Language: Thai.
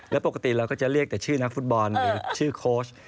แล้วปกติเราก็จะเรียกแต่ชื่อนักฟุตบอลหรือชื่อโค้ช